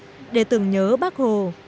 đền thờ bắc để tưởng nhớ bắc hồ